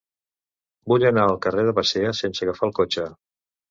Vull anar al carrer de Basea sense agafar el cotxe.